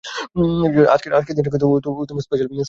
আজকের দিনটাকে ও স্পেশাল বানাতে চেয়েছিল।